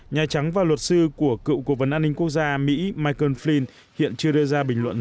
nhà trắng và luật sư của cựu cố vấn an ninh quốc gia mỹ michael free hiện chưa đưa ra bình luận